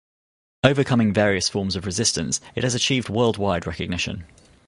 Overcoming various forms of resistance, it has achieved worldwide recognition'.